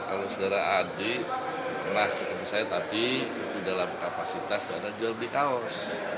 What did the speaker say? adik pernah kekali saya tadi dalam kapasitas dana jual beli kaos